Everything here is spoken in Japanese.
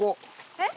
えっ？